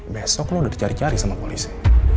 besok lo udah dicari cari sama polisi